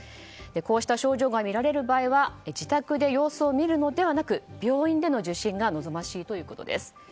こうした症状が見られる場合は自宅で様子を見るのではなく病院での受診が望ましいということです。